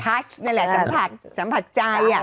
นั่นแหละสัมผัสสัมผัสใจ